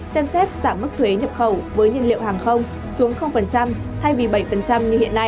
xem xét giảm mức thuế nhập khẩu với nhiên liệu hàng không xuống thay vì bảy như hiện nay